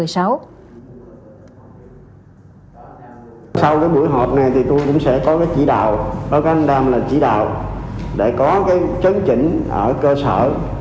sau buổi họp này tôi cũng sẽ có chỉ đạo ở gần đoàn là chỉ đạo để có chấn chỉnh ở cơ sở